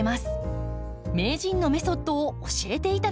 名人のメソッドを教えていただきましょう！